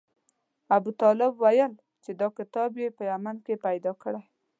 ابوطالب ویل چې دا کتاب یې په یمن کې پیدا کړی.